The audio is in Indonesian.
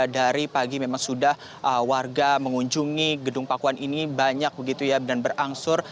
dari pagi memang sudah warga mengunjungi gedung pakuan ini banyak begitu ya dan berangsur